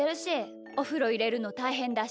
おふろいれるのたいへんだし。